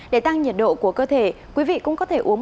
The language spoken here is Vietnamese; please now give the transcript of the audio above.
để tăng nhiệt độ của cơ thể quý vị cũng có thể uống